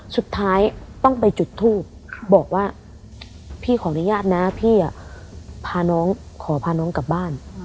สุดท้ายต้องไปจุดทูบบอกว่าพี่ขออนุญาตนะพี่พาน้องขอพาน้องกลับบ้าน